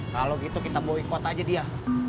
kalo gitu kita boycott aja dia